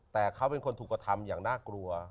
แต่เขาเป็นคนถูกกระทำอย่างน่ากลัว